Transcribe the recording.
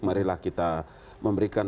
marilah kita memberikan